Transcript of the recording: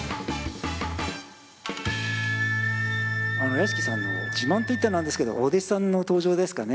屋敷さんの自慢といっては何ですけどお弟子さんの登場ですかね。